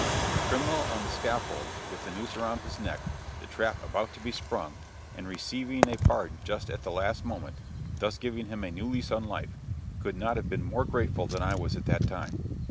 A criminal on the scaffold, with the noose around his neck, the trap about to be sprung, and receiving a pardon just at the last moment, thus giving him a new lease of life, could not have been more grateful than I was at that time.